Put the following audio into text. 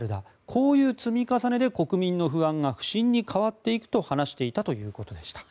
こういう積み重ねで国民の不安が不信に変わっていくと話していたということでした。